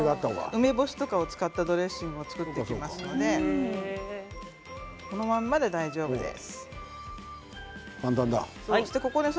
梅干しとかを使ったドレッシングを作っていきますので、これだけで大丈夫です。